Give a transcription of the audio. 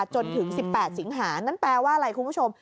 จนถึง๑๘สิงหานั่นแปลว่าอะไรคุณผู้ชม